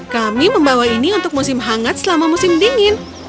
kami membawa ini untuk musim hangat selama musim dingin